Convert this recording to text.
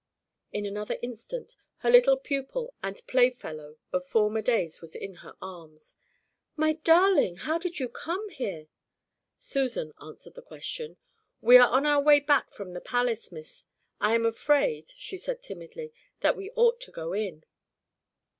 In another instant her little pupil and playfellow of former days was in her arms. "My darling, how did you come here?" Susan answered the question. "We are on our way back from the Palace, miss. I am afraid," she said, timidly, "that we ought to go in."